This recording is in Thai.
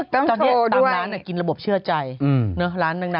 ต้องโชว์ด้วยตอนนี้ตามร้านกินระบบเชื่อใจร้านหนึ่ง